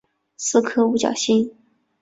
是颗五角星。